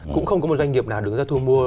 cũng không có một doanh nghiệp nào đứng ra thu mua